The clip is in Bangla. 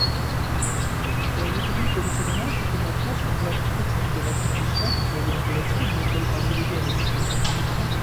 চলচ্চিত্রটি পরিচালনা, চিত্রনাট্য ও সংলাপ লিখেছেন দেবাশীষ বিশ্বাস ও প্রযোজনা করেছে বেঙ্গল মাল্টিমিডিয়া লিমিটেড।